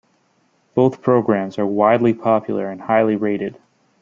Both programs are wildly popular and highly rated.